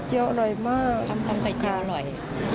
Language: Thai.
ไข่เจียวไข่เจียวอร่อยมากทำไข่เจียวอร่อย